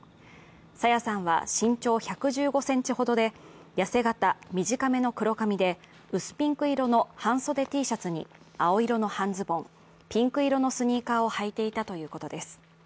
朝芽さんは、身長１１５ｃｍほどで痩せ形、短めの黒髪で薄ピンク色の半袖Ｔシャツに青色の半ズボン、ピンク色のスニーカーを履いていたということです。